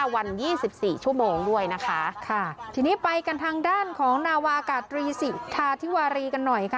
วัน๒๔ชั่วโมงด้วยนะคะค่ะทีนี้ไปกันทางด้านของนาวากาตรีสิทธาธิวารีกันหน่อยค่ะ